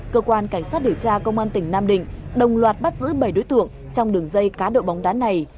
cơ quan cảnh sát điều tra công an tỉnh nam định đồng loạt bắt giữ bảy đối tượng trong đường dây cá độ bóng đá này